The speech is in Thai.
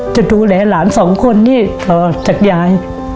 จะดูแลร้านสองคนต่อจากญาย